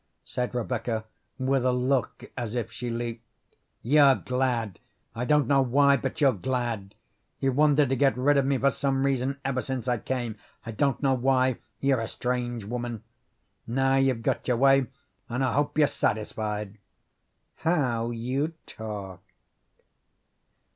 said Rebecca, with a look as if she leaped. "You're glad. I don't know why, but you're glad. You've wanted to get rid of me for some reason ever since I came. I don't know why. You're a strange woman. Now you've got your way, and I hope you're satisfied." "How you talk."